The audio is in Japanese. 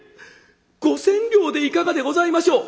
「五千両でいかがでございましょう」。